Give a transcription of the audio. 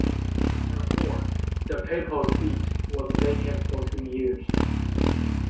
Therefore, the Papal seat was vacant for two years.